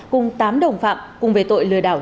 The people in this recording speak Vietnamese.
cùng tám đồng phạm cùng về tội lừa đảo